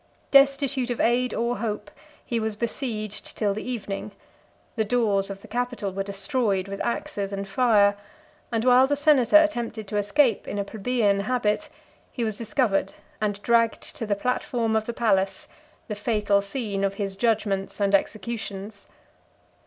Destitute of aid or hope, he was besieged till the evening: the doors of the Capitol were destroyed with axes and fire; and while the senator attempted to escape in a plebeian habit, he was discovered and dragged to the platform of the palace, the fatal scene of his judgments and executions.